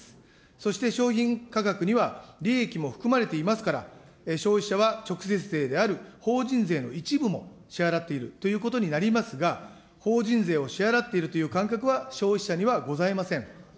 そして商品価格には利益も含まれていますから、消費者は直接税である法人税の一部も支払っているということになりますが、法人税を支払っているという感覚は消費者にはございません。